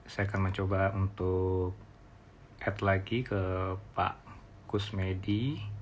saya akan mencoba untuk ad lagi ke pak kusmedi